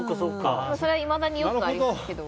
それはいまだによくありますけど。